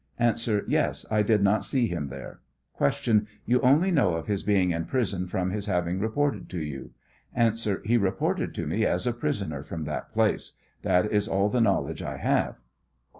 A. Yes ; I did not see him there. Q. You only know of his being in prison from his having reported to you ? A. He reported to me as a prisoner from that place ; that is all the knowledge I have.